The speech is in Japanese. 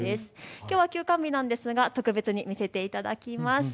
きょうは休館日なんですが特別に見せていただきます。